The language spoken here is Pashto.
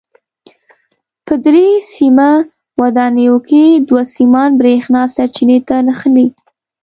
په درې سیمه ودانیو کې دوه سیمان برېښنا سرچینې ته نښلي.